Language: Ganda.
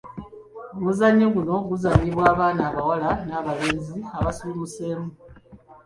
Omuzannyo guno guzannyiwa abaana abawala n'abalenzi abasuumuseemu.